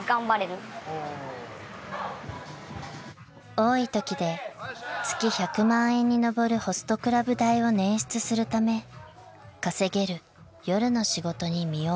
［多いときで月１００万円に上るホストクラブ代を捻出するため稼げる夜の仕事に身を置くことに］